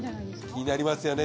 気になりますよね。